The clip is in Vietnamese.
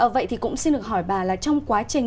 vậy thì cũng xin được hỏi bà là trong quá trình